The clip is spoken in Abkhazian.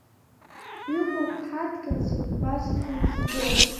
Иҟоуп ҳадгьыл, зегь гәазҭо, избо.